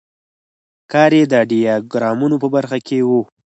کار یې د ډیاګرامونو په برخه کې و.